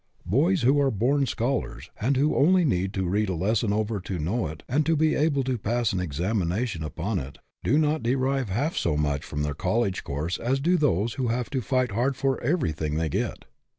Boys who are " born scholars," and who only need to read a lesson over to know it and to be able to pass an examination upon it, do not derive half so much from their college course as do those who have to fight hard for everything they get.